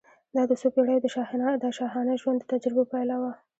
دا د څو پېړیو د شاهانه ژوند د تجربو پایله وه.